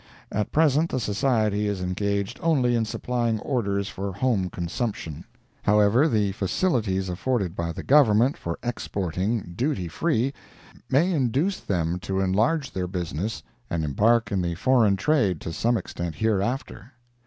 At present the Society is engaged only in supplying orders for home consumption. However, the facilities afforded by the Government for exporting, duty free, may induce them to enlarge their business and embark in the foreign trade to some extent hereafter.